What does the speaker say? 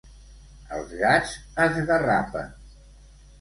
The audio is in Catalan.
Els gats esgarrapen.